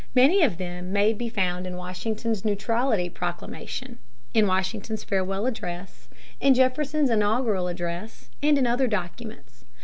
Many of them may be found in Washington's Neutrality Proclamation, in Washington's Farewell Address, in Jefferson's Inaugural Address, and in other documents.